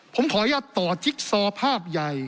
ผมขออนุญาตต่อจิ๊กซอภาพใหญ่